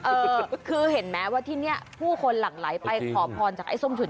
คือเห็นไหมว่าที่นี่ผู้คนหลั่งไหลไปขอพรจากไอ้ส้มฉุน